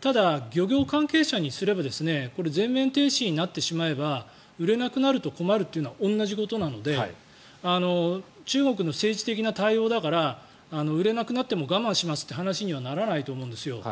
ただ、漁業関係者にすれば全面停止になってしまえば売れなくなると困るというのは同じことなので中国の政治的な対応だから売れなくなっても我慢しますって話にはならないと思うんですよ。